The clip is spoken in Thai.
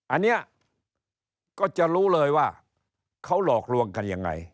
อันนี้ก็จะรู้เลยว่าเขาหลอกลวงกันยังไง